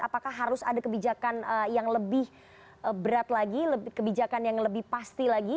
apakah harus ada kebijakan yang lebih berat lagi kebijakan yang lebih pasti lagi